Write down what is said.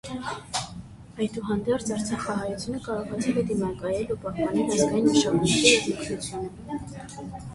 Այդուհանդերձ, արցախահայությունը կարողացել է դիմակայել ու պահպանել ազգային մշակույթը և ինքնությունը։